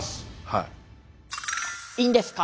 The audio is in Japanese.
いいんですか？